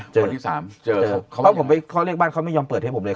วันที่สามเจอเขาผมไปเขาเรียกบ้านเขาไม่ยอมเปิดให้ผมเลย